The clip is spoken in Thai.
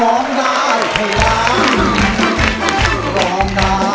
ร้องได้ไข่ล้าง